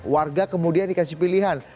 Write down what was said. warga kemudian dikasih pilihan